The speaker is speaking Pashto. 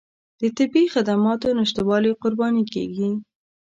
د طبي خدماتو نشتوالي قرباني کېږي.